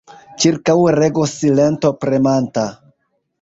Ĉirkaŭe regos silento premanta.